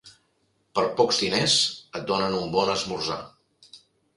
Per pocs diners, et donen un bon esmorzar.